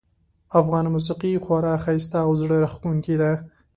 افغانه موسیقي خورا ښایسته او زړه راښکونکې ده